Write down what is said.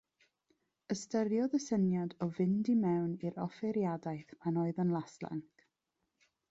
Ystyriodd y syniad o fynd i' mewn i'r offeiriadaeth pan oedd yn laslanc.